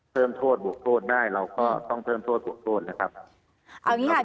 เพิ่มโทษบวกโทษได้เราก็ต้องเพิ่มโทษบวกโทษนะครับ